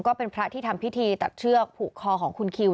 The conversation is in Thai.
ก็เป็นพระที่ทำพิธีตัดเชือกผูกคอของคุณคิว